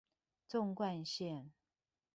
縱貫線